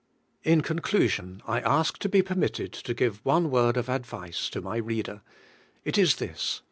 In conclusion, I ask to be permitted to give one word of advice to my reader. It is this.